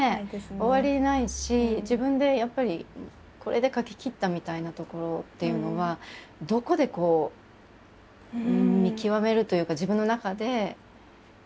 終わりないし自分でやっぱりこれで書ききったみたいなところっていうのはどこで見極めるというか自分の中で納得するというかなのかしら？と。